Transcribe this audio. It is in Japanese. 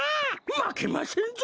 まけませんぞ！